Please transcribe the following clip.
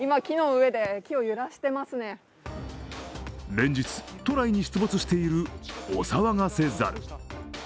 連日都内に出没しているお騒がせ猿。